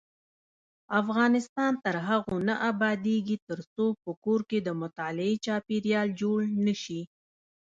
افغانستان تر هغو نه ابادیږي، ترڅو په کور کې د مطالعې چاپیریال جوړ نشي.